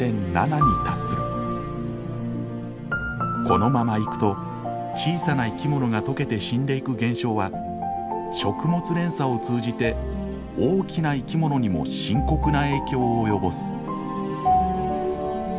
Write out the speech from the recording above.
このままいくと小さな生き物が溶けて死んでいく現象は食物連鎖を通じて大きな生き物にも深刻な影響を及ぼす。